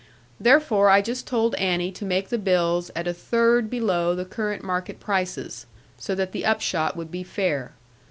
Therefore I just told Annie to make the bills at a third below the current market prices; so that the upshot would be fair.